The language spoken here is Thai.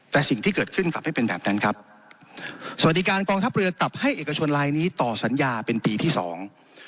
แต่สิ่งที่เกิดขึ้นกลับให้เป็นแบบนั้นครับสวัสดีการกองทัพเรือตับให้เอกชนลายนี้ต่อสัญญาเป็นปีที่สอง